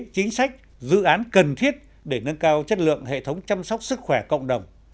chính sách dự án cần thiết để nâng cao chất lượng hệ thống chăm sóc sức khỏe cộng đồng